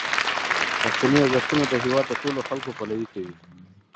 پښتني ارزښتونه د هیواد د ټولو خلکو پلوي کوي.